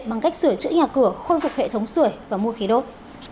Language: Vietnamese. bằng cách sửa chữa nhà cửa khôi phục hệ thống sửa và mua khí đốt